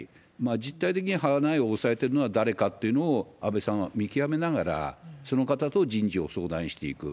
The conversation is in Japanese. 実態的に派内を押さえてるのは誰かっていうのを安倍さんは見極めながら、その方と人事を相談していく。